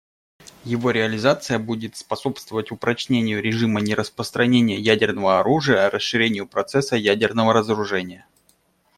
Его реализация будет способствовать упрочению режима нераспространения ядерного оружия, расширению процесса ядерного разоружения.